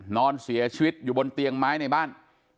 นอนเสียชีวิตอยู่บนเตียงไม้ในบ้าน